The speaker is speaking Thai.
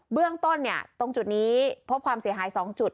เบื้องต้นตรงจุดนี้พบความเสียหาย๒จุด